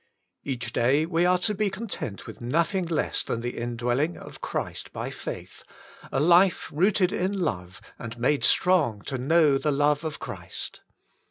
Each day we are to be con 142 The Holy Trinity 143 tent with nothing less than the indwelling of Christ by faith, a life rooted in love, and made strong to know the love of Christ.